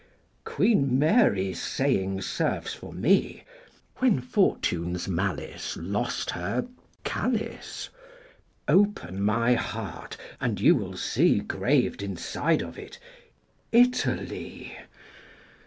Queen Mary's saying serves for me 40 (When fortune's malice Lost her Calais) Open my heart and you will see Graved inside of it, "Italy."